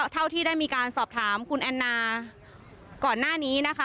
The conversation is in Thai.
เท่าที่ได้มีการสอบถามคุณแอนนาก่อนหน้านี้นะคะ